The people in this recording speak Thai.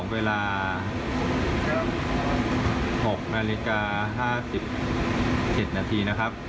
เวลา๖นาฬิกา๕๗นาที